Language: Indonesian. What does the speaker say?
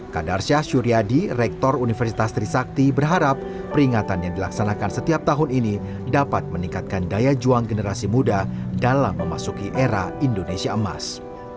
kadarsyah suryadi rektor universitas trisakti berharap peringatan yang dilaksanakan setiap tahun ini dapat meningkatkan daya juang generasi muda dalam memasuki era indonesia emas